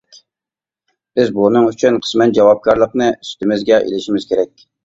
بىز بۇنىڭ ئۈچۈن قىسمەن جاۋابكارلىقنى ئۈستىمىزگە ئېلىشىمىز كېرەك.